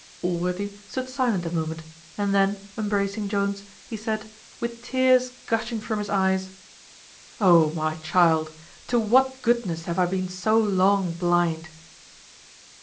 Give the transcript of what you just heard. Allworthy stood silent a moment, and then, embracing Jones, he said, with tears gushing from his eyes, "O my child! to what goodness have I been so long blind!"